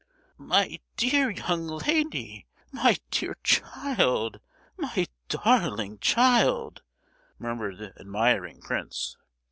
"My dear young lady—my dear child, my darling child!" murmured the admiring prince.